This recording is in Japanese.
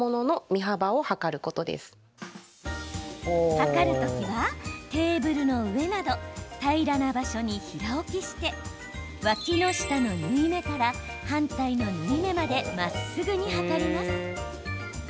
測る時はテーブルの上など平らな場所に平置きしてわきの下の縫い目から反対の縫い目までまっすぐに測ります。